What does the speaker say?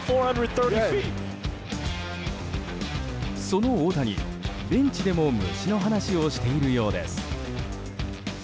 その大谷、ベンチでも虫の話をしているようです。